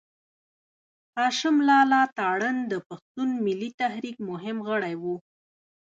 هاشم لالا تارڼ د پښتون ملي تحريک مهم غړی و.